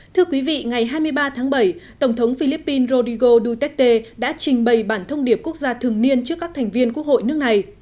thưa quý vị ngày hai mươi ba tháng bảy tổng thống philippines rodrigo duterte đã trình bày bản thông điệp quốc gia thường niên trước các thành viên quốc hội nước này